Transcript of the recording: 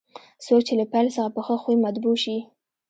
څوک چې له پیل څخه په ښه خوی مطبوع شي.